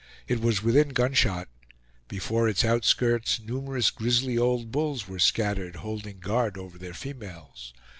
It was within gunshot; before its outskirts, numerous grizzly old bulls were scattered, holding guard over their females.